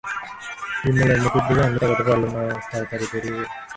বিমলের মুখের দিকে আমি তাকাতে পারলুম না, তাড়াতাড়ি বেরিয়ে গেলুম।